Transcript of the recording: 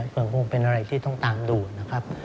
ก็คงเป็นอะไรที่ต้องตามดูนะครับ